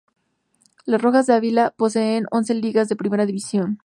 Los "Rojos del Avila" poseen once Ligas de Primera división.